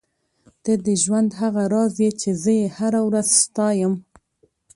ته د ژوند هغه راز یې چې زه یې هره ورځ ستایم.